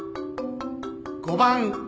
５番。